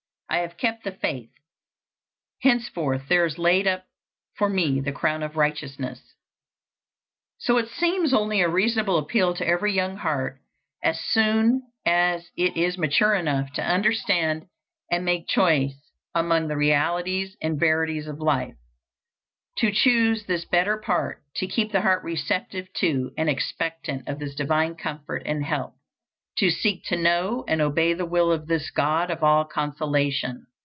I have kept the faith: henceforth there is laid up for me the crown of righteousness." So it seems only a reasonable appeal to every young heart, as soon as it is mature enough to understand and make choice among the realities and verities of life, to choose this better part; to keep the heart receptive to and expectant of this divine comfort and help; to seek to know and obey the will of this God of all consolation.